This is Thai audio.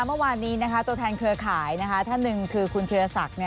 เมื่อวานนี้ตัวแทนเครือข่ายท่านหนึ่งคือคุณธีรศักดิ์